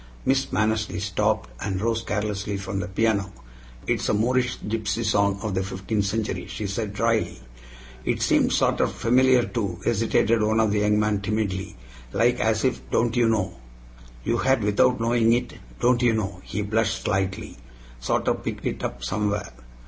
Miss Mannersley stopped, and rose carelessly from the piano. "It is a Moorish gypsy song of the fifteenth century," she said dryly. "It seemed sorter familiar, too," hesitated one of the young men, timidly, "like as if don't you know? you had without knowing it, don't you know?" he blushed slightly "sorter picked it up somewhere."